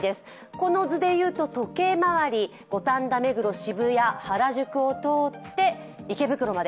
この図でいうと時計回り、五反田、目黒、渋谷、原宿を通って池袋まで。